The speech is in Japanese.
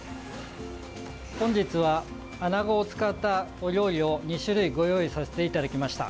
本日はアナゴを使ったお料理を２種類ご用意させていただきました。